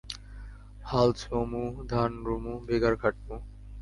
হাল চমু, ধান রুমু, ব্যাগার খাডমু ।